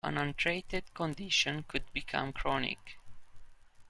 An untreated condition could become chronic.